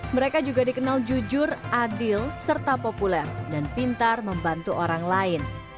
mereka juga dikenal jujur adil serta populer dan pintar membantu orang lain